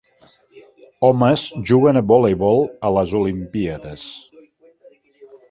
Homes juguen a voleibol a les olimpíades.